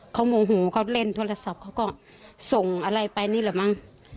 เขาโมโหเขาเล่นโทรศัพท์เขาก็ส่งอะไรไปนี่แหละมั้ง